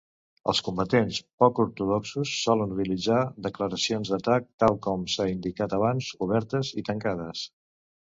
Els combats poc ortodoxos solen utilitzar declaracions d'atac, tal com s'ha indicat abans, obertes i tancades.